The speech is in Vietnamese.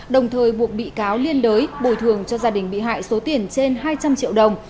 đồng thời buộc bị cáo liên đới bồi thường cho gia đình bị hại số tiền trên hai trăm linh triệu đồng